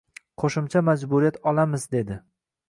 Qo‘shimcha majburiyat olamiz dedi.